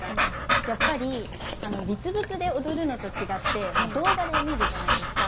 実物で踊るのと違って動画で見るじゃないですか。